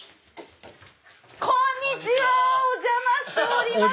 こんにちはお邪魔しております。